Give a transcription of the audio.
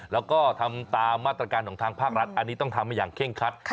แล้วก็ทำตามมาตรการของทางภาครัฐอันนี้ต้องทำให้อย่างเคร่งคัด